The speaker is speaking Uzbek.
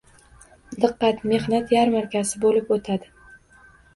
Diqqat, mehnat yarmarkasi boʻlib oʻtadi!